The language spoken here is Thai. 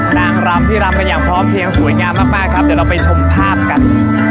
จังหวัดที่ก็มีทางแรงละหวัด